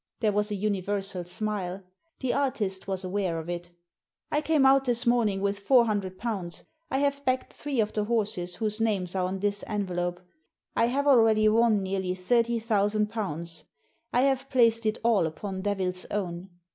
There was a universal smile. The artist was aware of it "I came out this morn ing with four hundred pounds. I have backed three of the horses whose names are on this envelope. I have already won nearly thirty thousand pounds. I have placed it all upon Devil's Own.